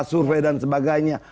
survei dan sebagainya